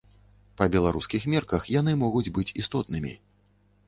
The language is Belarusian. Па беларускіх мерках яны могуць быць істотнымі.